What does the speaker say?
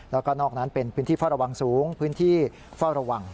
แล้วก็นอกนั้นเป็นพื้นที่เฝ้าระวังสูงพื้นที่เฝ้าระวัง